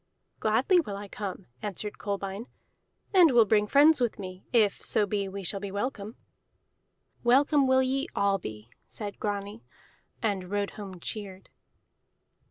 "Gladly will I come," answered Kolbein, "and will bring friends with me, if so be we shall be welcome." "Welcome will ye all be," said Grani, and rode home cheered.